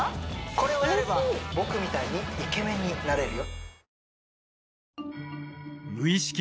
これをやれば僕みたいにイケメンになれるよ